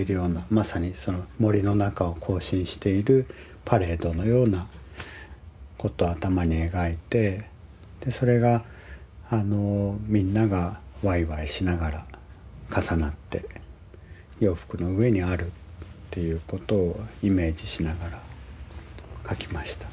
まさに森の中を行進しているパレードのようなことを頭に描いてそれがみんながわいわいしながら重なって洋服の上にあるっていうことをイメージしながら描きました。